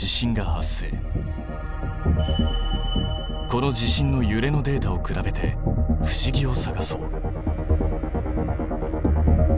この地震のゆれのデータを比べて不思議を探そう。